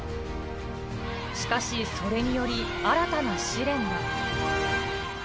しかしそれにより新たな試練が。